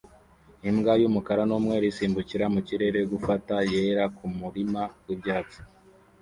Imbwa y'umukara n'umweru isimbukira mu kirere gufata yera ku murima w'ibyatsi